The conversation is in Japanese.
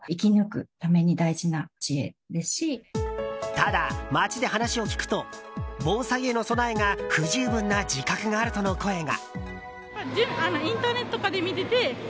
ただ、街で話を聞くと防災への備えが不十分な自覚があるとの声が。